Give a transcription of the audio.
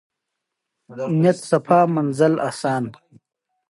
آیا د څرمنې د پروسس فابریکې شته؟